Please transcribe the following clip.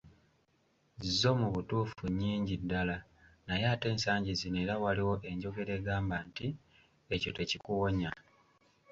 Zo mu butuufu nnyingi ddala, naye ate ensangi zino era waliwo enjogera egamba nti, "ekyo tekikuwonya."